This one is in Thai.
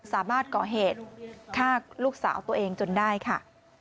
สามารถก่อเหตุฆ่าลูกสาวตัวเองจนได้ค่ะ